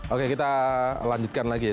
oke kita lanjutkan lagi